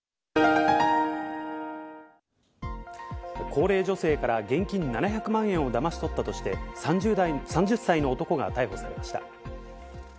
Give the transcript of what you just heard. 高齢女性から現金７００万円をだまし取ったとして、３０歳の男が逮捕されました。